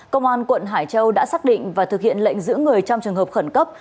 công an quận hải châu đã xác định và thực hiện lệnh giữ người trong trường hợp khẩn cấp